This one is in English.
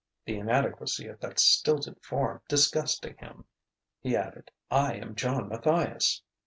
The inadequacy of that stilted form, disgusting him, he added: "I am John Matthias."